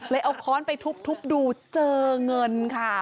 เอาค้อนไปทุบดูเจอเงินค่ะ